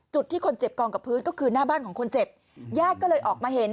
จุดที่คนเจ็บกองกับพื้นก็คือหน้าบ้านของคนเจ็บญาติก็เลยออกมาเห็น